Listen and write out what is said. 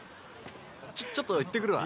ちょっと行ってくるわ。